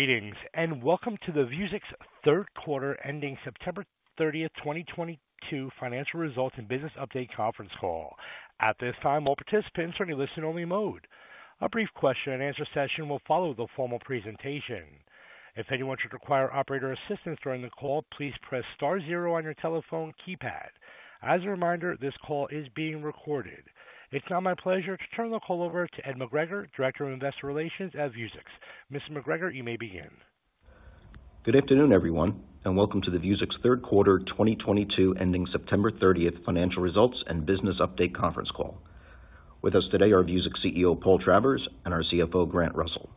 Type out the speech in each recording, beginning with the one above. Greetings, and welcome to the Vuzix Third Quarter Ending September 30, 2022 Financial Results and Business Update Conference Call. At this time, all participants are in listen only mode. A brief question and answer session will follow the formal presentation. If anyone should require operator assistance during the call, please press star zero on your telephone keypad. As a reminder, this call is being recorded. It's now my pleasure to turn the call over to Ed McGregor, Director of Investor Relations at Vuzix. Mr. McGregor, you may begin. Good afternoon, everyone, and welcome to the Vuzix Third Quarter 2022 Ending September 30 Financial Results and Business Update Conference Call. With us today are Vuzix CEO, Paul Travers, and our CFO, Grant Russell.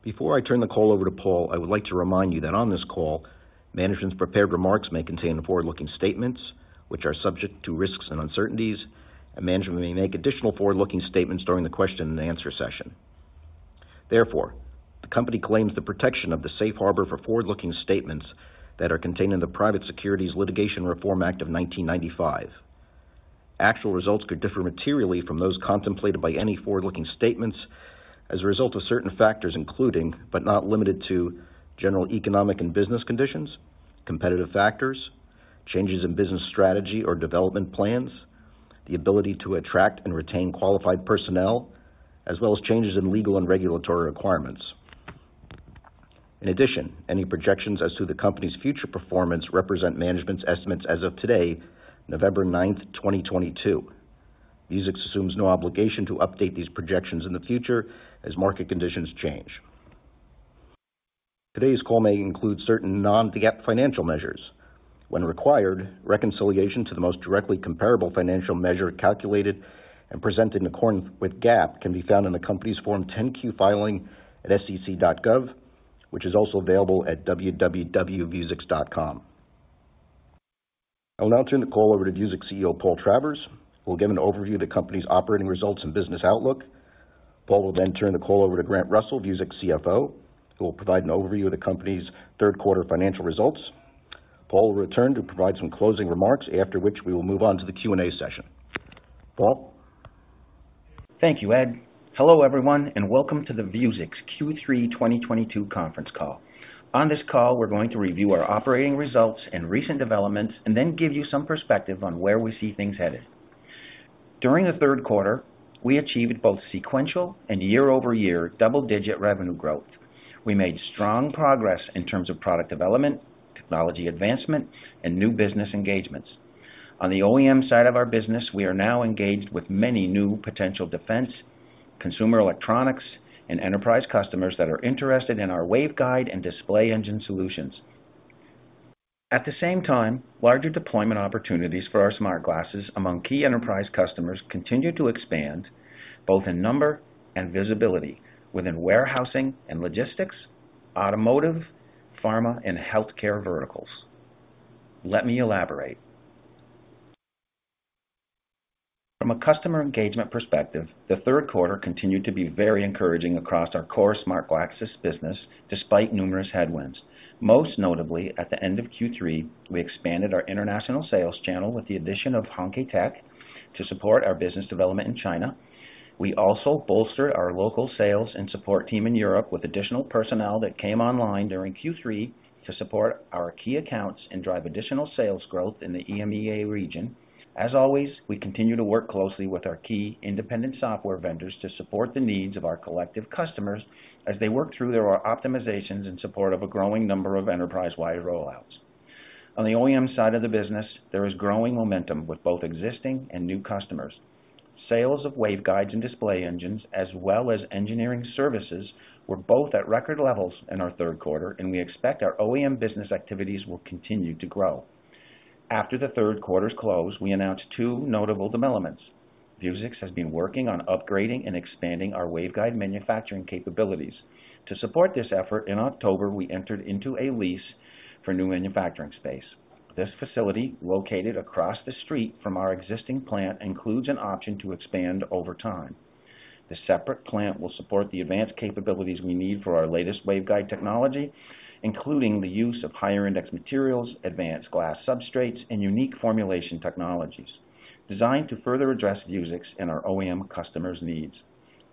Before I turn the call over to Paul, I would like to remind you that on this call, management's prepared remarks may contain forward-looking statements which are subject to risks and uncertainties, and management may make additional forward-looking statements during the question and answer session. Therefore, the company claims the protection of the safe harbor for forward-looking statements that are contained in the Private Securities Litigation Reform Act of 1995. Actual results could differ materially from those contemplated by any forward-looking statements as a result of certain factors, including, but not limited to, general economic and business conditions, competitive factors, changes in business strategy or development plans, the ability to attract and retain qualified personnel, as well as changes in legal and regulatory requirements. In addition, any projections as to the company's future performance represent management's estimates as of today, November 9, 2022. Vuzix assumes no obligation to update these projections in the future as market conditions change. Today's call may include certain non-GAAP financial measures. When required, reconciliation to the most directly comparable financial measure calculated and presented in accordance with GAAP can be found in the company's Form 10-Q filing at sec.gov, which is also available at www.vuzix.com. I will now turn the call over to Vuzix CEO, Paul Travers, who will give an overview of the company's operating results and business outlook. Paul will then turn the call over to Grant Russell, Vuzix CFO, who will provide an overview of the company's third quarter financial results. Paul will return to provide some closing remarks, after which we will move on to the Q&A session. Paul. Thank you, Ed. Hello, everyone, and welcome to the Vuzix Q3 2022 Conference Call. On this call, we're going to review our operating results and recent developments and then give you some perspective on where we see things headed. During the third quarter, we achieved both sequential and year-over-year double-digit revenue growth. We made strong progress in terms of product development, technology advancement, and new business engagements. On the OEM side of our business, we are now engaged with many new potential defense, consumer electronics, and enterprise customers that are interested in our waveguide and display engine solutions. At the same time, larger deployment opportunities for our smart glasses among key enterprise customers continue to expand both in number and visibility within warehousing and logistics, automotive, pharma, and healthcare verticals. Let me elaborate. From a customer engagement perspective, the third quarter continued to be very encouraging across our core smart glasses business, despite numerous headwinds. Most notably, at the end of Q3, we expanded our international sales channel with the addition of HongKe Tech to support our business development in China. We also bolstered our local sales and support team in Europe with additional personnel that came online during Q3 to support our key accounts and drive additional sales growth in the EMEA region. As always, we continue to work closely with our key independent software vendors to support the needs of our collective customers as they work through their optimizations in support of a growing number of enterprise-wide rollouts. On the OEM side of the business, there is growing momentum with both existing and new customers. Sales of waveguides and display engines, as well as engineering services, were both at record levels in our third quarter, and we expect our OEM business activities will continue to grow. After the third quarter's close, we announced two notable developments. Vuzix has been working on upgrading and expanding our waveguide manufacturing capabilities. To support this effort, in October, we entered into a lease for new manufacturing space. This facility, located across the street from our existing plant, includes an option to expand over time. The separate plant will support the advanced capabilities we need for our latest waveguide technology, including the use of higher index materials, advanced glass substrates, and unique formulation technologies designed to further address Vuzix and our OEM customers' needs.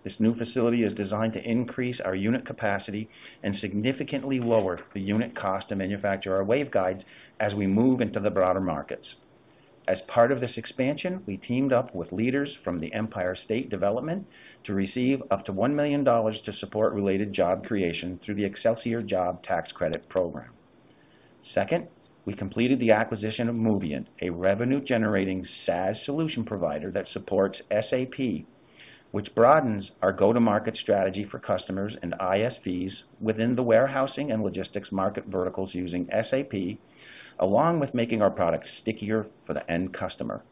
This new facility is designed to increase our unit capacity and significantly lower the unit cost to manufacture our waveguides as we move into the broader markets. As part of this expansion, we teamed up with leaders from the Empire State Development to receive up to $1 million to support related job creation through the Excelsior Jobs Tax Credit program. Second, we completed the acquisition of Moviynt, a revenue-generating SaaS solution provider that supports SAP, which broadens our go-to-market strategy for customers and ISVs within the warehousing and logistics market verticals using SAP, along with making our products stickier for the end customer.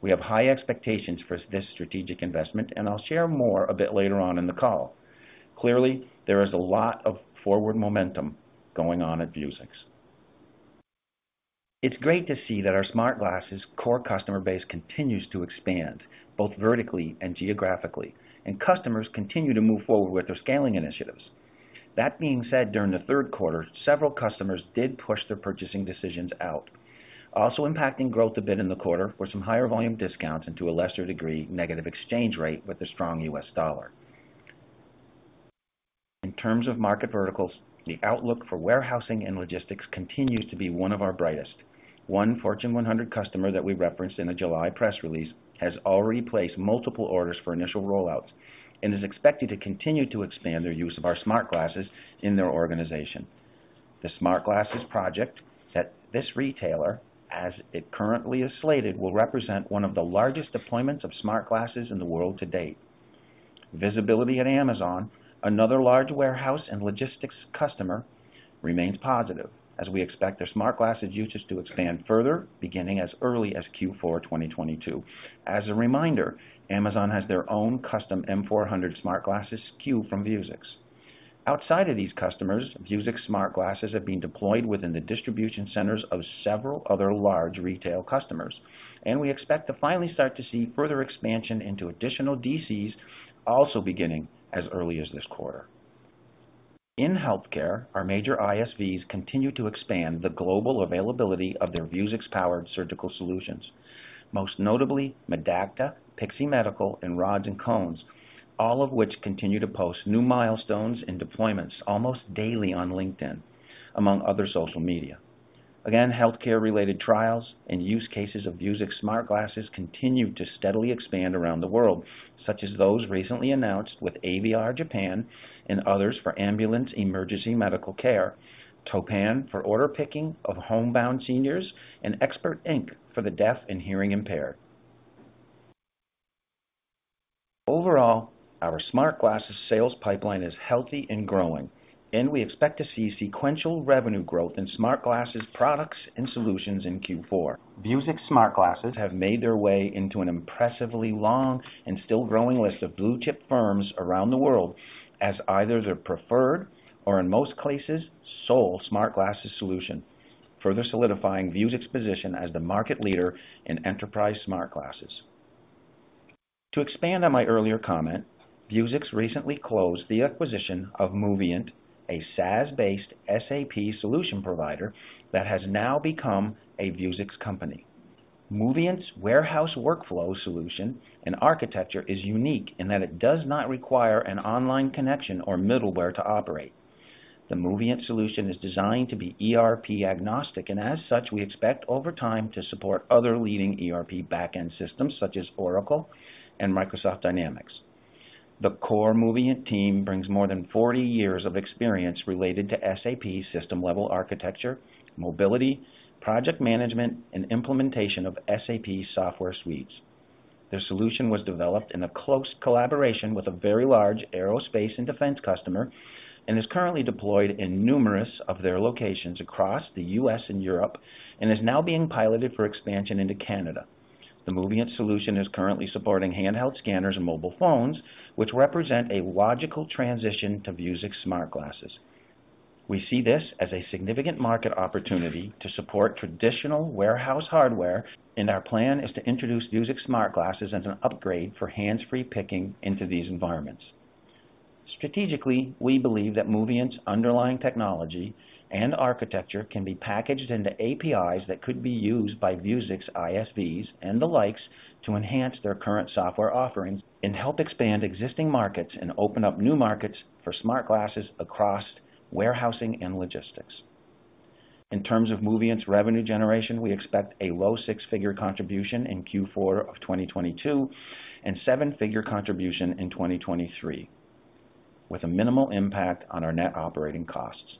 We have high expectations for this strategic investment, and I'll share more a bit later on in the call. Clearly, there is a lot of forward momentum going on at Vuzix. It's great to see that our smart glasses core customer base continues to expand both vertically and geographically, and customers continue to move forward with their scaling initiatives. That being said, during the third quarter, several customers did push their purchasing decisions out. Also impacting growth a bit in the quarter were some higher volume discounts and to a lesser degree, negative exchange rate with the strong U.S. dollar. In terms of market verticals, the outlook for warehousing and logistics continues to be one of our brightest. One Fortune 100 customer that we referenced in a July press release has already placed multiple orders for initial rollouts and is expected to continue to expand their use of our smart glasses in their organization. The smart glasses project that this retailer, as it currently is slated, will represent one of the largest deployments of smart glasses in the world to date. Visibility at Amazon, another large warehouse and logistics customer, remains positive as we expect their smart glasses usage to expand further, beginning as early as Q4 2022. As a reminder, Amazon has their own custom M400 smart glasses SKU from Vuzix. Outside of these customers, Vuzix smart glasses have been deployed within the distribution centers of several other large retail customers, and we expect to finally start to see further expansion into additional DCs also beginning as early as this quarter. In healthcare, our major ISVs continue to expand the global availability of their Vuzix-powered surgical solutions, most notably Medacta, Pixee Medical, and Rods & Cones, all of which continue to post new milestones and deployments almost daily on LinkedIn, among other social media. Again, healthcare related trials and use cases of Vuzix smart glasses continue to steadily expand around the world, such as those recently announced with AVR Japan and others for ambulance emergency medical care, Toppan for order picking of homebound seniors, and Xander for the deaf and hearing impaired. Overall, our smart glasses sales pipeline is healthy and growing, and we expect to see sequential revenue growth in smart glasses products and solutions in Q4. Vuzix smart glasses have made their way into an impressively long and still growing list of blue-chip firms around the world as either their preferred or in most cases, sole smart glasses solution, further solidifying Vuzix position as the market leader in enterprise smart glasses. To expand on my earlier comment, Vuzix recently closed the acquisition of Moviynt, a SaaS-based SAP solution provider that has now become a Vuzix company. Moviynt's warehouse workflow solution and architecture is unique in that it does not require an online connection or middleware to operate. The Moviynt solution is designed to be ERP agnostic, and as such, we expect over time to support other leading ERP back-end systems such as Oracle and Microsoft Dynamics. The core Moviynt team brings more than 40 years of experience related to SAP system level architecture, mobility, project management, and implementation of SAP software suites. Their solution was developed in a close collaboration with a very large aerospace and defense customer and is currently deployed in numerous of their locations across the U.S. and Europe, and is now being piloted for expansion into Canada. The Moviynt solution is currently supporting handheld scanners and mobile phones, which represent a logical transition to Vuzix smart glasses. We see this as a significant market opportunity to support traditional warehouse hardware, and our plan is to introduce Vuzix smart glasses as an upgrade for hands-free picking into these environments. Strategically, we believe that Moviynt's underlying technology and architecture can be packaged into APIs that could be used by Vuzix ISVs and the likes to enhance their current software offerings and help expand existing markets and open up new markets for smart glasses across warehousing and logistics. In terms of Moviynt's revenue generation, we expect a low six-figure contribution in Q4 of 2022 and seven-figure contribution in 2023, with a minimal impact on our net operating costs.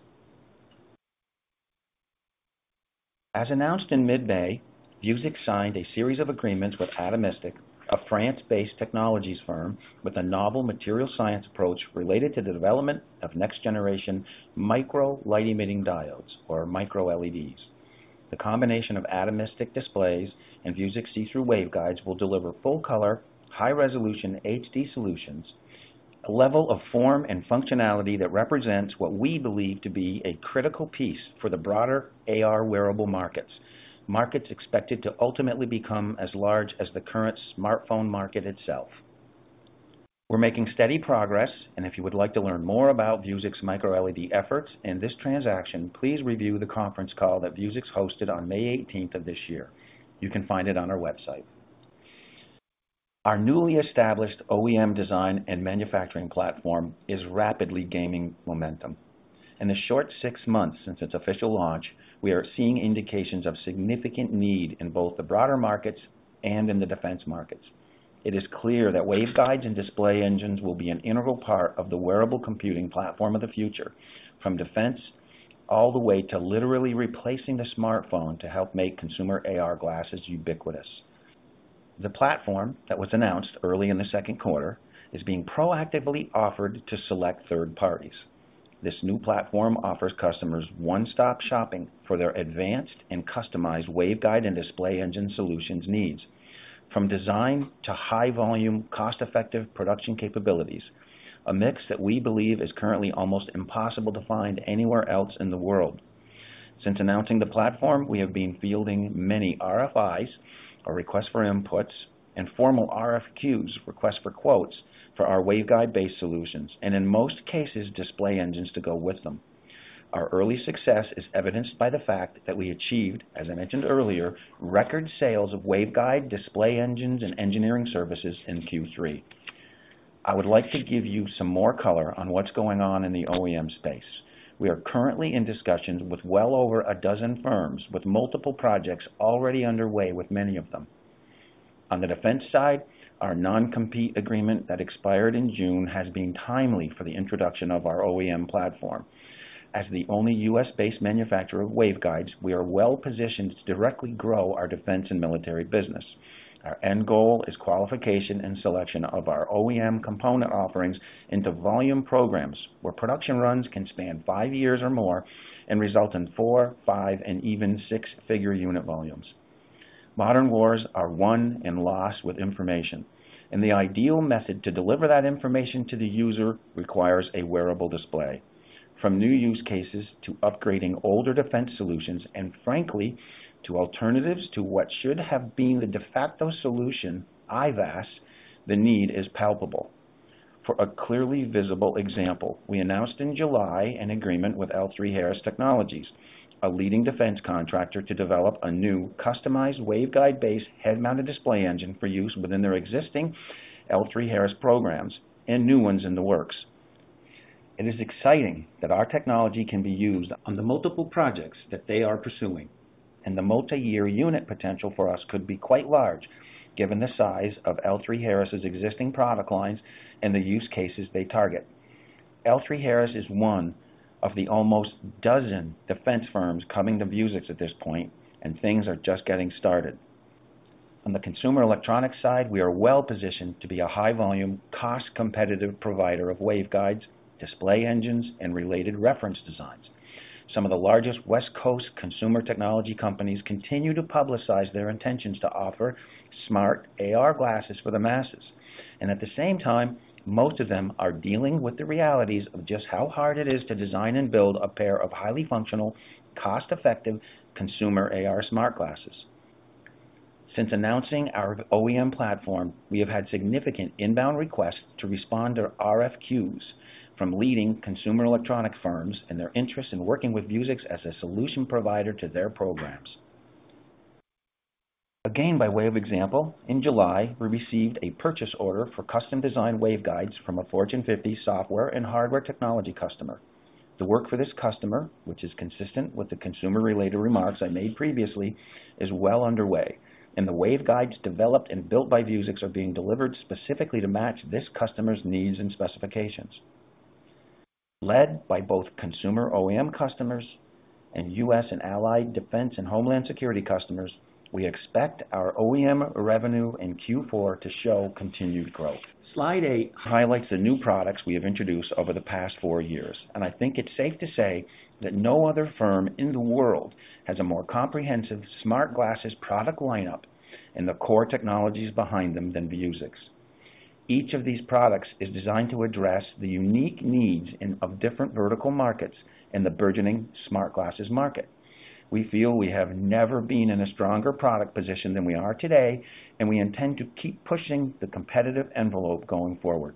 Vuzix signed a series of agreements with Atomistic, a France-based technology firm with a novel material science approach related to the development of next-generation micro light-emitting diodes or MicroLEDs. The combination of Atomistic displays and Vuzix see-through waveguides will deliver full color, high resolution HD solutions, a level of form and functionality that represents what we believe to be a critical piece for the broader AR wearable markets expected to ultimately become as large as the current smartphone market itself. We're making steady progress, and if you would like to learn more about Vuzix microLED efforts and this transaction, please review the conference call that Vuzix hosted on May 18 of this year. You can find it on our website. Our newly established OEM design and manufacturing platform is rapidly gaining momentum. In the short six months since its official launch, we are seeing indications of significant need in both the broader markets and in the defense markets. It is clear that waveguides and display engines will be an integral part of the wearable computing platform of the future, from defense all the way to literally replacing the smartphone to help make consumer AR glasses ubiquitous. The platform that was announced early in the second quarter is being proactively offered to select third parties. This new platform offers customers one-stop shopping for their advanced and customized waveguide and display engine solutions needs, from design to high volume, cost-effective production capabilities, a mix that we believe is currently almost impossible to find anywhere else in the world. Since announcing the platform, we have been fielding many RFIs or request for inputs and formal RFQs, request for quotes, for our waveguide-based solutions and in most cases, display engines to go with them. Our early success is evidenced by the fact that we achieved, as I mentioned earlier, record sales of waveguide display engines and engineering services in Q3. I would like to give you some more color on what's going on in the OEM space. We are currently in discussions with well over a dozen firms with multiple projects already underway with many of them. On the defense side, our non-compete agreement that expired in June has been timely for the introduction of our OEM platform. As the only U.S.-based manufacturer of waveguides, we are well positioned to directly grow our defense and military business. Our end goal is qualification and selection of our OEM component offerings into volume programs where production runs can span five years or more and result in four-, five-, and even six-figure unit volumes. Modern wars are won and lost with information, and the ideal method to deliver that information to the user requires a wearable display. From new use cases to upgrading older defense solutions and frankly, to alternatives to what should have been the de facto solution, IVAS, the need is palpable. For a clearly visible example, we announced in July an agreement with L3Harris Technologies, a leading defense contractor, to develop a new customized waveguide-based head-mounted display engine for use within their existing L3Harris programs and new ones in the works. It is exciting that our technology can be used on the multiple projects that they are pursuing, and the multi-year unit potential for us could be quite large, given the size of L3Harris' existing product lines and the use cases they target. L3Harris is one of the almost dozen defense firms coming to Vuzix at this point, and things are just getting started. On the consumer electronics side, we are well-positioned to be a high volume, cost-competitive provider of waveguides, display engines, and related reference designs. Some of the largest West Coast consumer technology companies continue to publicize their intentions to offer smart AR glasses for the masses. At the same time, most of them are dealing with the realities of just how hard it is to design and build a pair of highly functional, cost-effective consumer AR smart glasses. Since announcing our OEM platform, we have had significant inbound requests to respond to RFQs from leading consumer electronics firms and their interest in working with Vuzix as a solution provider to their programs. Again, by way of example, in July, we received a purchase order for custom design waveguides from a Fortune 50 software and hardware technology customer. The work for this customer, which is consistent with the consumer-related remarks I made previously, is well underway, and the waveguides developed and built by Vuzix are being delivered specifically to match this customer's needs and specifications. Led by both consumer OEM customers and U.S. and Allied defense and Homeland Security customers, we expect our OEM revenue in Q4 to show continued growth. Slide 8 highlights the new products we have introduced over the past 4 years, and I think it's safe to say that no other firm in the world has a more comprehensive smart glasses product lineup and the core technologies behind them than Vuzix. Each of these products is designed to address the unique needs of different vertical markets in the burgeoning smart glasses market. We feel we have never been in a stronger product position than we are today, and we intend to keep pushing the competitive envelope going forward.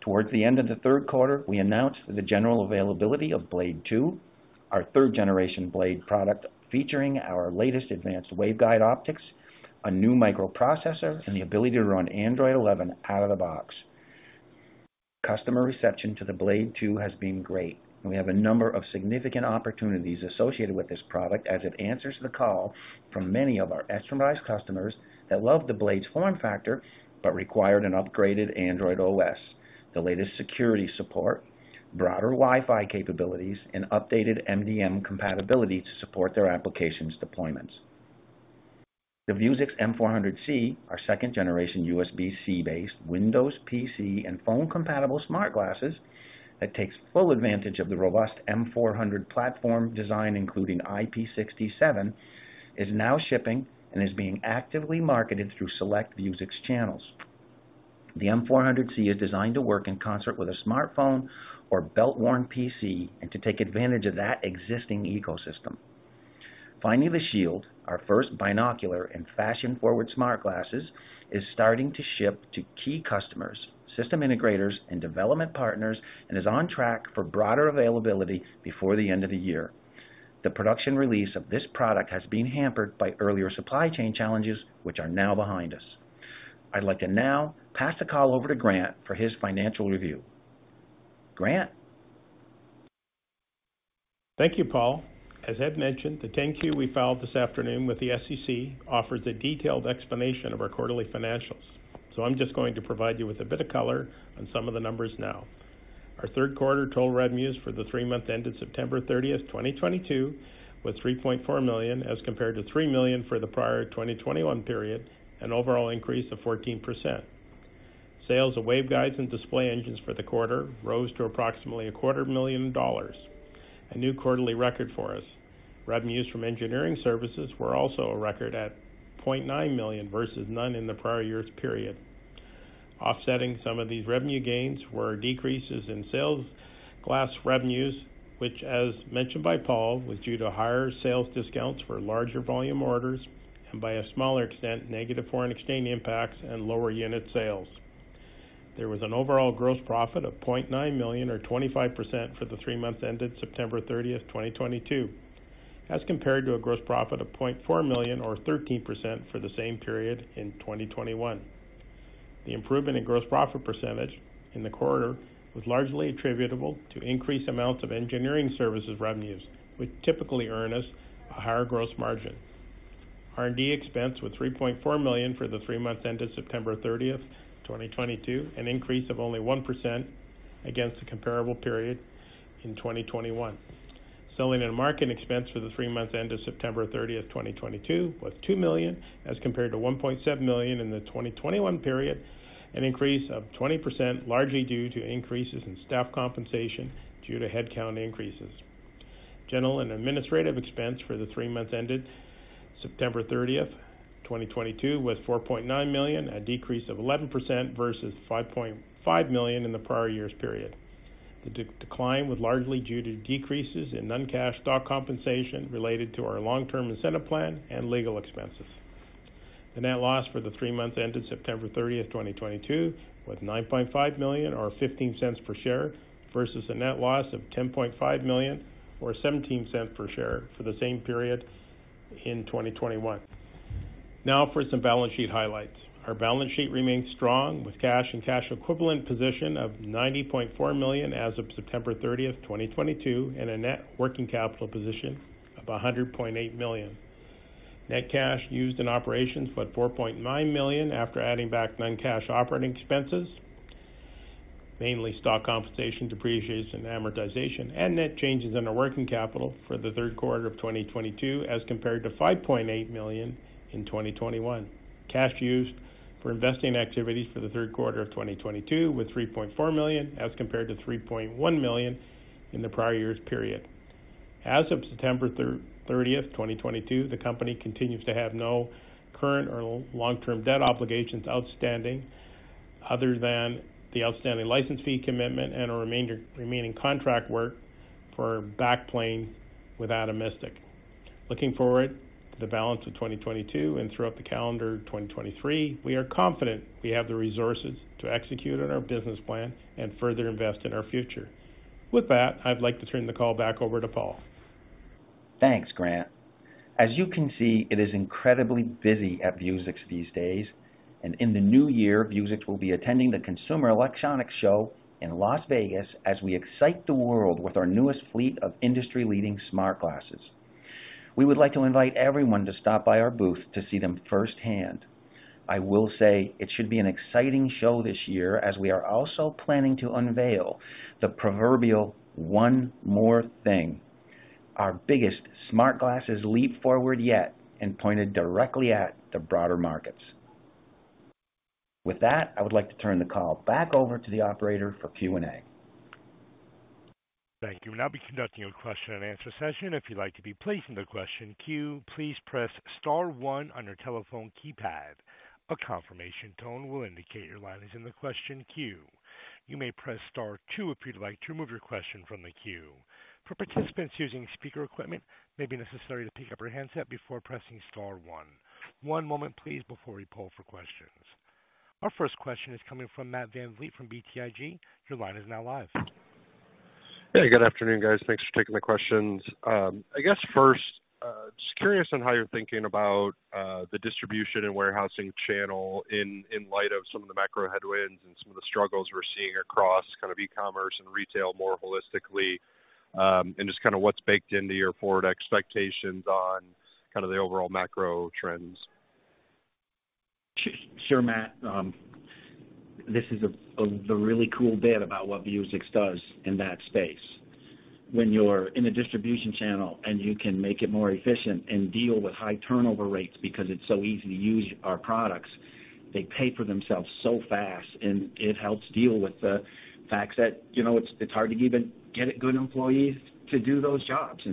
Towards the end of the third quarter, we announced the general availability of Blade 2, our third generation Blade product, featuring our latest advanced waveguide optics, a new microprocessor, and the ability to run Android 11 out of the box. Customer reception to the Blade 2 has been great. We have a number of significant opportunities associated with this product as it answers the call from many of our enterprise customers that love the Blade's form factor, but required an upgraded Android OS, the latest security support, broader Wi-Fi capabilities, and updated MDM compatibility to support their applications deployments. The Vuzix M400C, our second generation USB-C-based Windows PC and phone compatible smart glasses that takes full advantage of the robust M400 platform design, including IP67, is now shipping and is being actively marketed through select Vuzix channels. The M400C is designed to work in concert with a smartphone or belt-worn PC and to take advantage of that existing ecosystem. Finally, the Shield, our first binocular and fashion-forward smart glasses, is starting to ship to key customers, system integrators, and development partners, and is on track for broader availability before the end of the year. The production release of this product has been hampered by earlier supply chain challenges, which are now behind us. I'd like to now pass the call over to Grant for his financial review. Grant? Thank you, Paul. As Ed mentioned, the 10-Q we filed this afternoon with the SEC offers a detailed explanation of our quarterly financials. I'm just going to provide you with a bit of color on some of the numbers now. Our third quarter total revenues for the three months ended September 30, 2022, was $3.4 million as compared to $3 million for the prior 2021 period, an overall increase of 14%. Sales of waveguides and display engines for the quarter rose to approximately a quarter million dollars, a new quarterly record for us. Revenues from engineering services were also a record at $0.9 million versus none in the prior year's period. Offsetting some of these revenue gains were decreases in smart-glass revenues, which, as mentioned by Paul, was due to higher sales discounts for larger volume orders and, to a smaller extent, negative foreign exchange impacts and lower unit sales. There was an overall gross profit of $0.9 million or 25% for the three months ended September 30, 2022, as compared to a gross profit of $0.4 million or 13% for the same period in 2021. The improvement in gross profit percentage in the quarter was largely attributable to increased amounts of engineering services revenues, which typically earn us a higher gross margin. R&D expense was $3.4 million for the three months ended September 30, 2022, an increase of only 1% against the comparable period in 2021. Selling and marketing expense for the three months ended September 30th, 2022 was $2 million as compared to $1.7 million in the 2021 period, an increase of 20% largely due to increases in staff compensation due to headcount increases. General and administrative expense for the three months ended September 30th, 2022 was $4.9 million, a decrease of 11% versus $5.5 million in the prior year's period. The decline was largely due to decreases in non-cash stock compensation related to our long-term incentive plan and legal expenses. The net loss for the three months ended September 30th, 2022 was $9.5 million or $0.15 per share versus a net loss of $10.5 million or $0.17 per share for the same period in 2021. Now for some balance sheet highlights. Our balance sheet remains strong with cash and cash equivalents position of $90.4 million as of September 30, 2022, and a net working capital position of $100.8 million. Net cash used in operations was $4.9 million after adding back non-cash operating expenses, mainly stock compensation, depreciation, and amortization, and net changes in our working capital for the third quarter of 2022 as compared to $5.8 million in 2021. Cash used for investing activities for the third quarter of 2022 was $3.4 million as compared to $3.1 million in the prior year's period. As of September 30, 2022, the company continues to have no current or long-term debt obligations outstanding other than the outstanding license fee commitment and our remaining contract work for backplane with Atomistic. Looking forward to the balance of 2022 and throughout the calendar 2023, we are confident we have the resources to execute on our business plan and further invest in our future. With that, I'd like to turn the call back over to Paul. Thanks, Grant. As you can see, it is incredibly busy at Vuzix these days, and in the new year, Vuzix will be attending the Consumer Electronics Show in Las Vegas as we excite the world with our newest fleet of industry-leading smart glasses. We would like to invite everyone to stop by our booth to see them firsthand. I will say it should be an exciting show this year as we are also planning to unveil the proverbial one more thing, our biggest smart glasses leap forward yet and pointed directly at the broader markets. With that, I would like to turn the call back over to the operator for Q&A. Thank you. We'll now be conducting a question-and-answer session. If you'd like to be placed in the question queue, please press star one on your telephone keypad. A confirmation tone will indicate your line is in the question queue. You may press star two if you'd like to remove your question from the queue. For participants using speaker equipment, it may be necessary to pick up your handset before pressing star one. One moment please before we poll for questions. Our first question is coming from Matt VanVliet from BTIG. Your line is now live. Hey, good afternoon, guys. Thanks for taking my questions. I guess first, just curious on how you're thinking about the distribution and warehousing channel in light of some of the macro headwinds and some of the struggles we're seeing across kind of e-commerce and retail more holistically, and just kinda what's baked into your forward expectations on kind of the overall macro trends? Sure, Matt. This is the really cool bit about what Vuzix does in that space. When you're in a distribution channel and you can make it more efficient and deal with high turnover rates because it's so easy to use our products, they pay for themselves so fast, and it helps deal with the fact that, you know, it's hard to even get a good employee to do those jobs.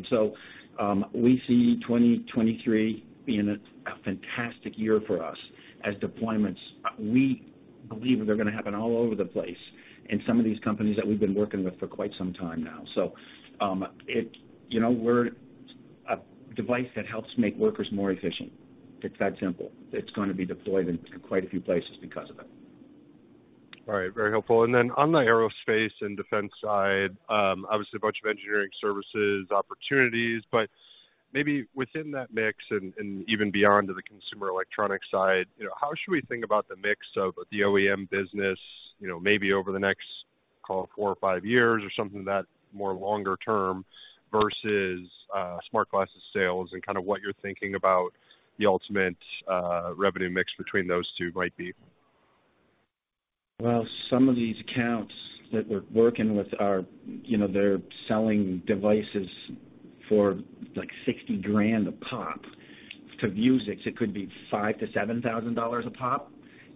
We see 2023 being a fantastic year for us as deployments, we believe they're gonna happen all over the place in some of these companies that we've been working with for quite some time now. You know, we're a device that helps make workers more efficient. It's that simple. It's gonna be deployed in quite a few places because of it. All right. Very helpful. Then on the aerospace and defense side, obviously a bunch of engineering services opportunities, but maybe within that mix and even beyond to the consumer electronics side, you know, how should we think about the mix of the OEM business, you know, maybe over the next, call it four or five years or something that more longer term versus, smart glasses sales and kind of what you're thinking about the ultimate, revenue mix between those two might be? Well, some of these accounts that we're working with are, you know, they're selling devices for like $60,000 a pop. To Vuzix, it could be $5,000-$7,000 a pop,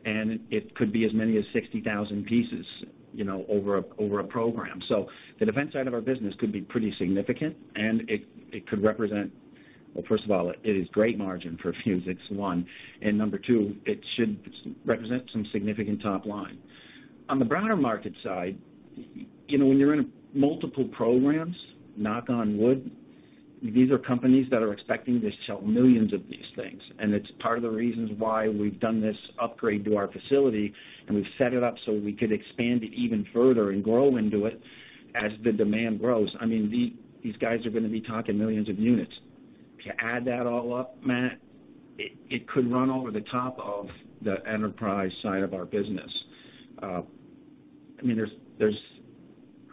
and it could be as many as 60,000 pieces, you know, over a program. The defense side of our business could be pretty significant, and it could represent. Well, first of all, it is great margin for Vuzix, one, and number two, it should represent some significant top line. On the broader market side, you know, when you're in multiple programs, knock on wood. These are companies that are expecting to sell millions of these things, and it's part of the reasons why we've done this upgrade to our facility, and we've set it up so we could expand it even further and grow into it as the demand grows. I mean, these guys are gonna be talking millions of units. To add that all up, Matt, it could run over the top of the enterprise side of our business. I mean, there's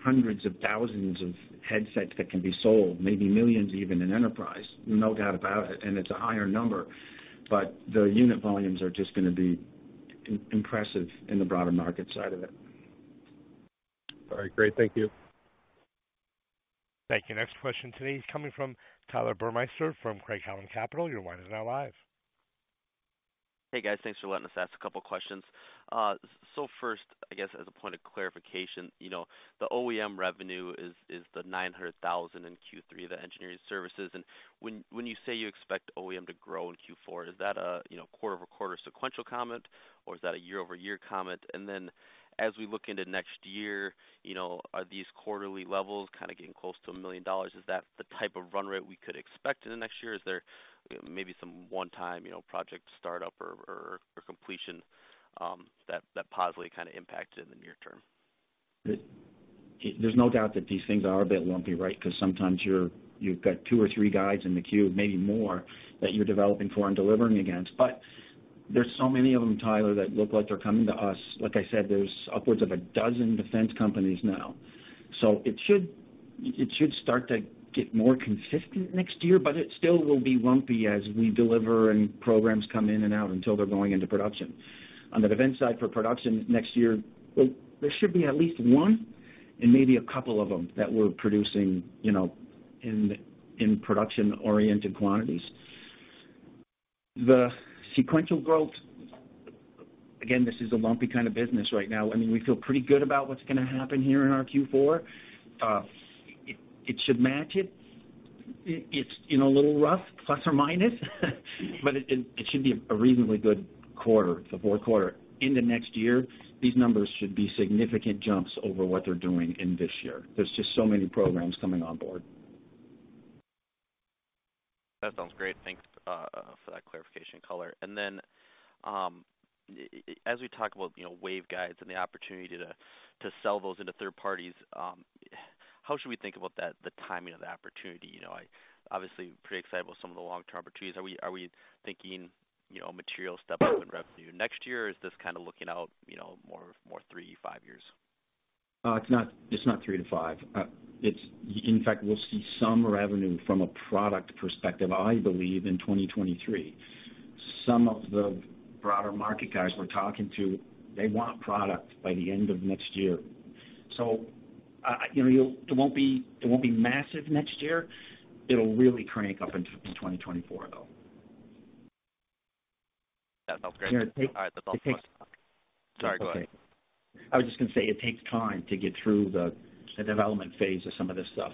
hundreds of thousands of headsets that can be sold, maybe millions even in enterprise, no doubt about it, and it's a higher number, but the unit volumes are just gonna be impressive in the broader market side of it. All right, great. Thank you. Thank you. Next question today is coming from Tyler Burmeister from Craig-Hallum Capital Group. Your line is now live. Hey, guys. Thanks for letting us ask a couple questions. First, I guess, as a point of clarification, you know, the OEM revenue is the $900,000 in Q3, the engineering services. When you say you expect OEM to grow in Q4, is that a, you know, quarter-over-quarter sequential comment, or is that a year-over-year comment? As we look into next year, you know, are these quarterly levels kinda getting close to $1 million? Is that the type of run rate we could expect in the next year? Is there maybe some one-time, you know, project startup or completion, that positively kinda impact in the near term? There's no doubt that these things are a bit lumpy, right? 'Cause sometimes you've got two or three guys in the queue, maybe more, that you're developing for and delivering against. There's so many of them, Tyler, that look like they're coming to us. Like I said, there's upwards of a dozen defense companies now. It should start to get more consistent next year, but it still will be lumpy as we deliver and programs come in and out until they're going into production. On the defense side for production next year, well, there should be at least one and maybe a couple of them that we're producing, you know, in production-oriented quantities. The sequential growth, again, this is a lumpy kind of business right now. I mean, we feel pretty good about what's gonna happen here in our Q4. It should match it. It's, you know, a little rough, plus or minus, but it should be a reasonably good quarter, the fourth quarter. Into next year, these numbers should be significant jumps over what they're doing in this year. There's just so many programs coming on board. That sounds great. Thanks for that clarification color. As we talk about, you know, waveguides and the opportunity to sell those into third parties, how should we think about that, the timing of the opportunity? You know, I obviously pretty excited about some of the long-term opportunities. Are we thinking, you know, a material step up in revenue next year? Or is this kinda looking out, you know, more three to five years? It's not three-five. In fact, we'll see some revenue from a product perspective, I believe, in 2023. Some of the broader market guys we're talking to, they want product by the end of next year. You know, it won't be massive next year. It'll really crank up into 2024, though. That sounds great. Yeah, it takes. All right, that's all my questions. Sorry, go ahead. It's okay. I was just gonna say it takes time to get through the development phase of some of this stuff.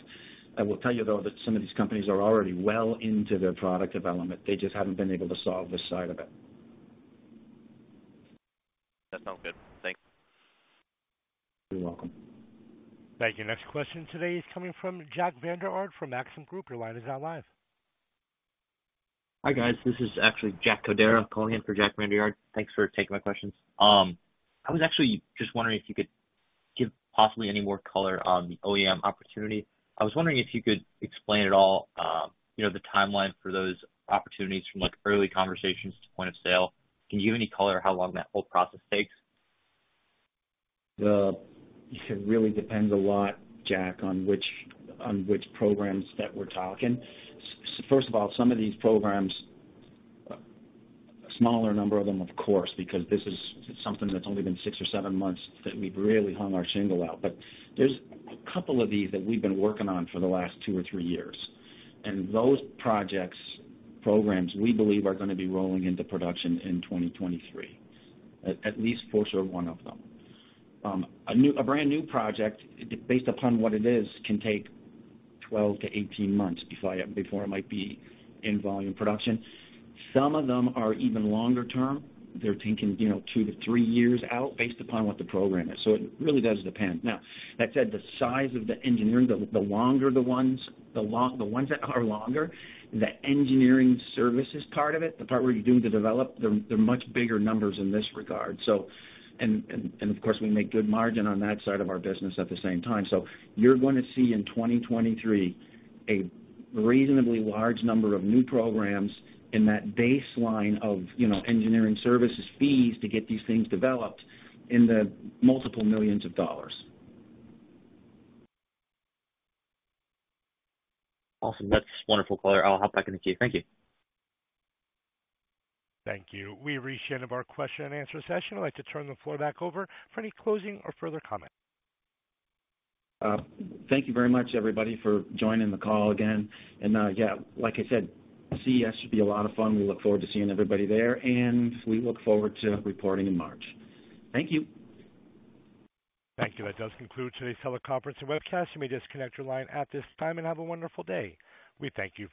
I will tell you, though, that some of these companies are already well into their product development. They just haven't been able to solve this side of it. That sounds good. Thanks. You're welcome. Thank you. Next question today is coming from Jack Vander Aarde from Maxim Group. Your line is now live. Hi, guys. This is actually Jack Kodera calling in for Jack Vander Aarde. Thanks for taking my questions. I was actually just wondering if you could give possibly any more color on the OEM opportunity. I was wondering if you could explain at all, you know, the timeline for those opportunities from, like, early conversations to point of sale. Can you give any color how long that whole process takes? Well, it really depends a lot, Jack, on which programs that we're talking. First of all, some of these programs, a smaller number of them, of course, because this is something that's only been six or seven months that we've really hung our shingle out. There's a couple of these that we've been working on for the last two or three years, and those projects, programs, we believe are gonna be rolling into production in 2023, at least portion of one of them. A brand new project, based upon what it is, can take 12-18 months before it might be in volume production. Some of them are even longer term. They're thinking, you know, two to three years out based upon what the program is. It really does depend. Now, that said, the size of the engineering, the longer ones, the engineering services part of it, the part where you're doing the development, they're much bigger numbers in this regard. Of course, we make good margin on that side of our business at the same time. You're gonna see in 2023 a reasonably large number of new programs in that baseline of, you know, engineering services fees to get these things developed in the multiple millions of dollars. Awesome. That's wonderful color. I'll hop back in the queue. Thank you. Thank you. We've reached the end of our question and answer session. I'd like to turn the floor back over for any closing or further comment. Thank you very much, everybody, for joining the call again. Yeah, like I said, CES should be a lot of fun. We look forward to seeing everybody there, and we look forward to reporting in March. Thank you. Thank you. That does conclude today's teleconference and webcast. You may disconnect your line at this time, and have a wonderful day. We thank you for participating.